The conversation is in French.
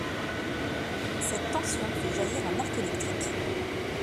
Cette tension fait jaillir un arc électrique.